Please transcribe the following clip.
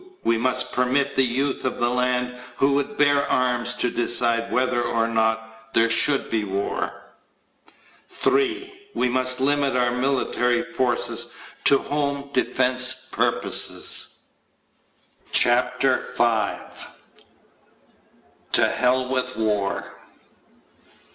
We must permit the youth of the land who would bear arms to decide whether or not there should be war. 3. We must limit our military forces to home defense purposes. CHAPTER FIVE To Hell With War!